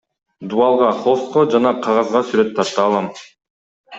Дубалга, холстко жана кагазга сүрөт тарта алам.